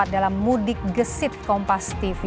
dalam mudik gesit kompas tv